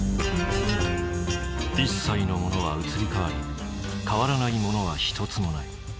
一切のものは移り変わり変わらないものは一つもない。